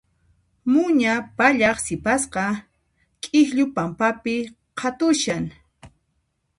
Muña pallaq sipasqa k'ikllu pampapi qhatushan.